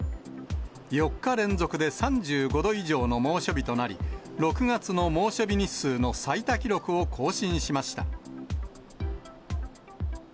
４日連続で３５度以上の猛暑日となり、６月の猛暑日日数の最多記録を更新しました。